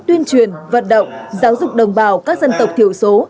tuyên truyền vận động giáo dục đồng bào các dân tộc thiểu số